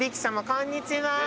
こんにちは。